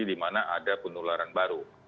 untuk menjaga penularan baru